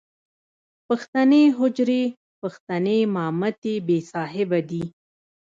پښتنې حجرې، پښتنې مامتې بې صاحبه دي.